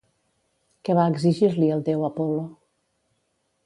Què va exigir-li el déu Apol·lo?